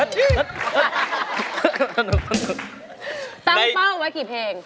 ตั้งเป้าไว้กี่เพลง